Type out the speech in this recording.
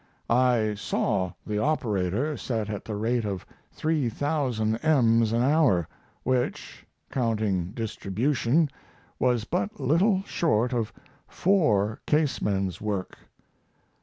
I saw the operator set at the rate of 3,000 ems an hour, which, counting distribution, was but little short of four casemen's work.